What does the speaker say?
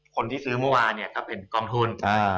คนที่ซื้อเมื่อวานเนี่ยถ้าเป็นกองทุน